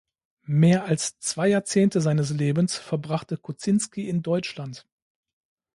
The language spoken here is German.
Mehr als zwei Jahrzehnte seines Lebens verbrachte Kozinski in Deutschland.